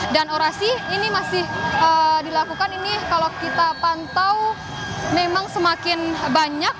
dan orasi ini masih dilakukan ini kalau kita pantau memang semakin banyak